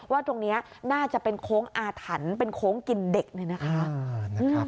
ว่าตรงนี้น่าจะเป็นโค้งอาถรรพ์เป็นโค้งกินเด็กเลยนะคะ